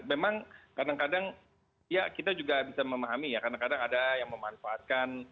memang kadang kadang ya kita juga bisa memahami ya kadang kadang ada yang memanfaatkan